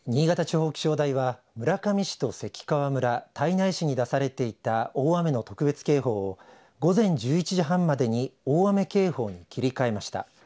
新潟地方気象台は村上市と関川村胎内市に出されていた大雨の特別警報を午前１１時半までに大雨警報に切り替えました。